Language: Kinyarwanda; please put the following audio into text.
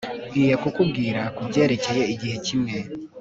Nkwiye kukubwira kubyerekeye igihe kimwe